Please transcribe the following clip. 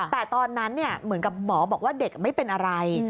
แต่ตอนนั้นเหมือนกับหมอบอกว่าเด็กไม่เป็นอะไร